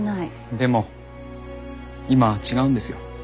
でも今は違うんですよ。